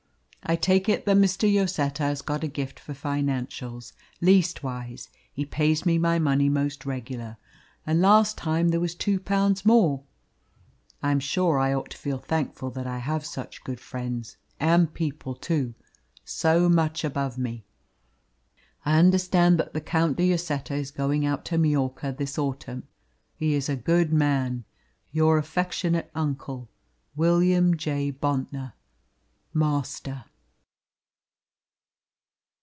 I take it that Mr. Lloseta has got a gift for financials, leastwise he pays me my money most regular, and last time there was two pounds more. I am sure I ought to feel thankful that I have such good friends, and people, too, so much above me. I understand that the Count de Lloseta is going out to Majorca this autumn. He is a good man. Your affectionate uncle, "WILLIAM JOHN BONTNOR (Master)."